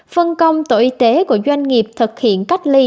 phân công tổ y tế của doanh nghiệp thực hiện cách ly